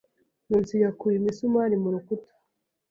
Nkusi yakuye imisumari mu rukuta.